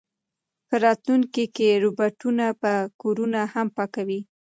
په راتلونکي کې روبوټونه به کورونه هم پاکوي.